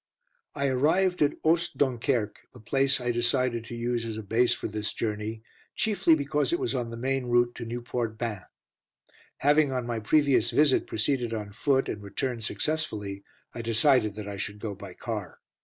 I arrived at Oost Dunkerque, which place I decided to use as a base for this journey, chiefly because it was on the main route to Nieuport Bain. Having on my previous visit proceeded on foot, and returned successfully, I decided that I should go by car.